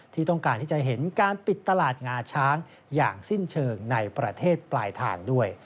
ที่ต้องการที่จะเห็นการปิดตลาดงาช้างอย่างสิ้นเชิงในประเทศปลายทางด้วย